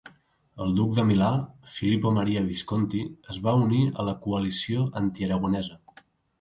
El duc de Milà, Filippo Maria Visconti, es va unir a la coalició antiaragonesa.